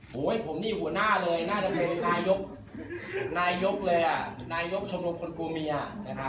คือบัตรก็มีวางแผ่นทางว่ามิวจะทำยังไงต่อไปอาหรือจะดูแลไปตลอดสิมไม่ต้องหยุดอะไร